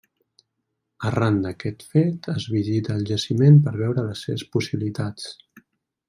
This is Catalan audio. Arran d'aquest fet es visita el jaciment per veure les seves possibilitats.